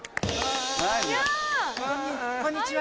こんにちは。